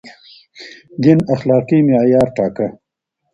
دين اخلاقي معيار ټاکه.